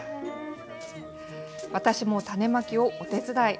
私も種まきをお手伝い。